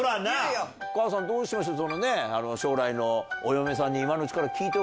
お母さんどうしましょう？